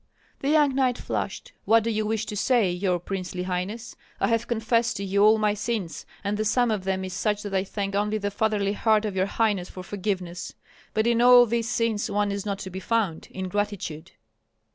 The young knight flushed. "What do you wish to say, your princely highness? I have confessed to you all my sins, and the sum of them is such that I thank only the fatherly heart of your highness for forgiveness. But in all these sins one is not to be found, ingratitude."